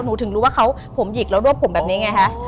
ถึงรู้ว่าเขาผมหยิกแล้วรวบผมแบบนี้ไงฮะ